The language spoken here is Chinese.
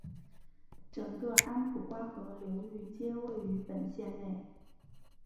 整个安普瓜河流域皆位于本县内。